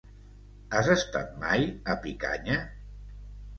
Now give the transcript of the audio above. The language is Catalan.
Has estat mai a Picanya?